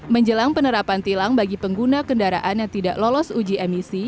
menjelang penerapan tilang bagi pengguna kendaraan yang tidak lolos uji emisi